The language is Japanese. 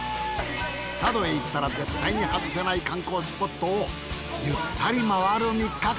佐渡へ行ったら絶対に外せない観光スポットをゆったりまわる３日間。